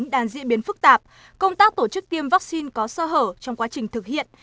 đang diễn biến phức tạp công tác tổ chức tiêm vaccine có sơ hở trong quá trình thực hiện